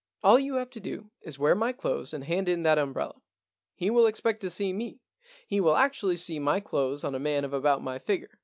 All you have to do is to wear my clothes, and hand in that umbrella. He will expect to see me. He will actually see my clothes on a man of about my figure.